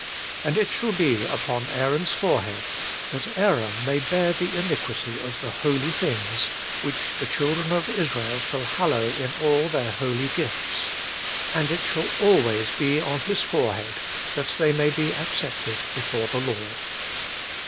And it shall be upon Aaron's fore head, that Aaron may bear the iniquity of the holy things, which the children of Israel shall hallow in all their holy gifts; and it shall always be upon his forehead, that they may be accepted before the Lord.'